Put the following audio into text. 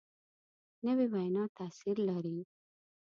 نوې وینا تاثیر لري